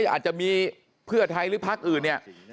อาจจะมีเพื่อไทยหรือพักอื่นเนี่ย